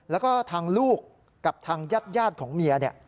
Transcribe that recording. แล้วก็ทางลูกกับทางญาติของเมียเนี่ย